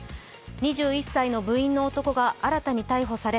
２１歳の部員の男が新たに逮捕され